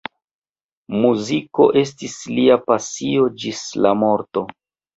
Muziko estis lia pasio ĝis la morto.